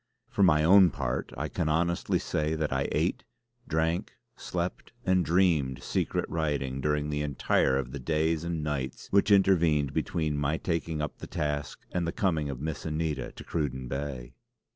For my own part I can honestly say that I ate, drank, slept and dreamed secret writing during the entire of the days and nights which intervened between my taking up the task and the coming of Miss Anita to Cruden Bay.